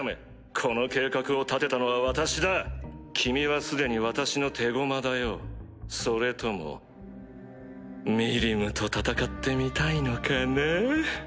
この計画を立てたのは私だ君は既に私の手駒だよそれともミリムと戦ってみたいのかなぁ？